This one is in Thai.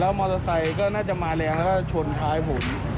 มอเตอร์ไซค์ก็น่าจะมาแรงแล้วก็ชนท้ายผม